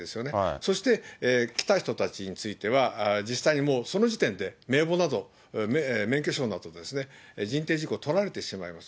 そして、来た人たちについては、実際にもうその時点で名簿など、免許証など、人定事項とられてしまいます。